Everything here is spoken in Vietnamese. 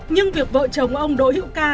nhưng việc vợ chồng ông đỗ hiệu ca